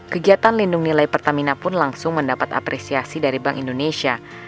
kegiatan lindung nilai pertamina pun langsung mendapat apresiasi dari bank indonesia